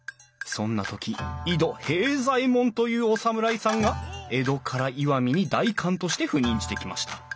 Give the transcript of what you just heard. そんな時井戸平左衛門というお侍さんが江戸から石見に代官として赴任してきました。